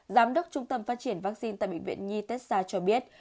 giám đốc trung tâm phát triển vaccine tại bệnh viện nhi tết sa cho biết